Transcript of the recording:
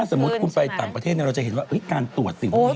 สมมุติคุณไปต่างประเทศเราจะเห็นว่าการตรวจสิ่งพวกนี้